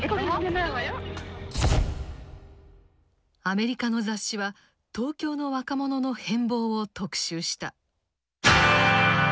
アメリカの雑誌は東京の若者の変貌を特集した。